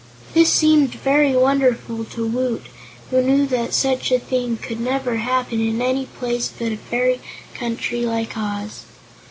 This seemed very wonderful to Woot, who knew that such a thing could never happen in any place but a fairy country like Oz.